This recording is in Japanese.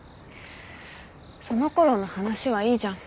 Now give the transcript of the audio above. そのころの話はいいじゃん。